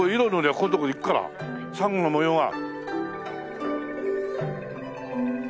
ここのところいくからサンゴの模様が。